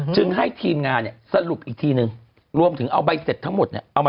ซึ่งให้ทีมงานสรุปอีกทีหนึ่งรวมถึงเอาใบเสร็จทั้งหมด